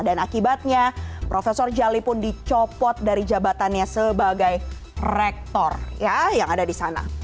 dan akibatnya prof jali pun dicopot dari jabatannya sebagai rektor ya yang ada di sana